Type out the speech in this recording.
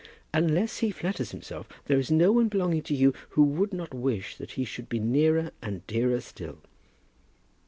"Unless he flatters himself, there is no one belonging to you who would not wish that he should be nearer and dearer still."